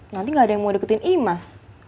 nanti gak ada yang mau deketin imas